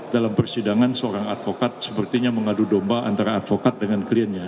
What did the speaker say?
dalam persidangan seorang advokat sepertinya mengadu domba antara advokat dengan kliennya